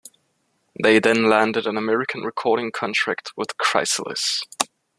They then landed an American recording contract with Chrysalis.